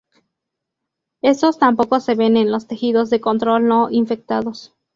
Estos tampoco se ven en los tejidos de control no infectados.